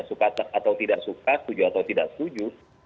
suka atau tidak suka suju atau tidak suju